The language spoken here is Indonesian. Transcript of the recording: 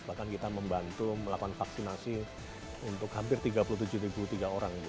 bahkan kita membantu melakukan vaksinasi untuk hampir tiga puluh tujuh tiga orang ibu